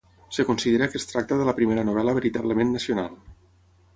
Es considera que es tracta de la primera novel·la veritablement nacional.